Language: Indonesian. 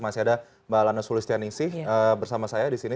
masih ada mbak lana sulis tjaningsih bersama saya disini